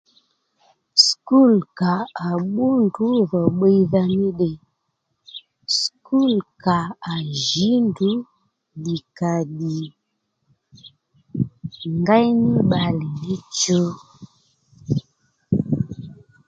Sukúl kǎ kà bbú ndrǔ dhò bbiydha mí ddiy sukúl kà à jǐ ndrǔ ddìkàddì ngéy ní bbalè níchu